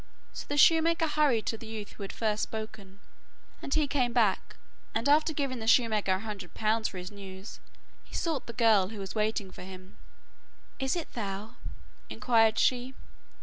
So the shoemaker hurried to the youth who had first spoken, and he came back, and after giving the shoemaker a hundred pounds for his news, he sought the girl, who was waiting for him. 'Is it thou?' inquired she.